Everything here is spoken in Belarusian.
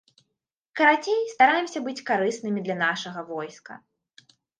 Карацей, стараемся быць карыснымі для нашага войска.